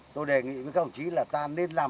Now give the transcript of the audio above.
tôi đề nghị với các ông chí là ta nên làm